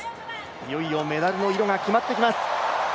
いよいよメダルの色が決まってきます。